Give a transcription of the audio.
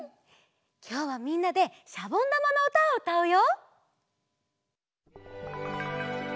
きょうはみんなでしゃぼんだまのうたをうたうよ！